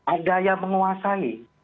ada yang menguasai